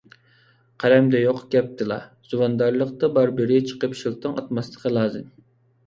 قەلەمدە يوق، گەپتىلا، زۇۋاندارازلىقتىلا بار بىرى چىقىپ شىلتىڭ ئاتماسلىقى لازىم.